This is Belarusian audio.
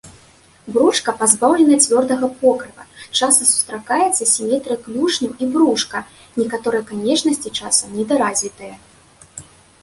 Брушка пазбаўлена цвёрдага покрыва, часта сустракаецца асіметрыя клюшняў і брушка, некаторыя канечнасці часам недаразвітыя.